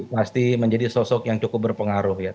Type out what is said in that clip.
pasti menjadi sosok yang cukup berpengaruh ya